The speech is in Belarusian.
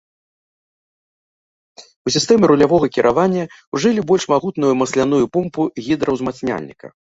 У сістэме рулявога кіравання ўжылі больш магутную масленую помпу гідраўзмацняльніка.